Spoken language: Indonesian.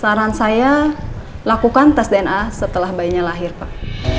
saran saya lakukan tes dna setelah bayinya lahir pak